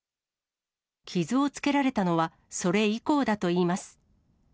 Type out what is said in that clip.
傷をつけられたのは、それ以降だといいます。